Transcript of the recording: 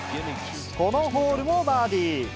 このホールもバーディー。